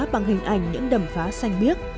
bằng hình ảnh những đầm phá xanh biếc